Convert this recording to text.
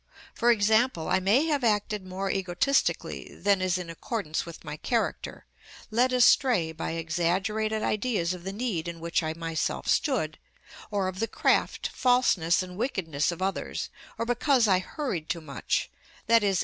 For example, I may have acted more egotistically than is in accordance with my character, led astray by exaggerated ideas of the need in which I myself stood, or of the craft, falseness, and wickedness of others, or because I hurried too much, _i.e.